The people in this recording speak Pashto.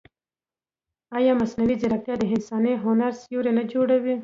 ایا مصنوعي ځیرکتیا د انساني هنر سیوری نه جوړوي؟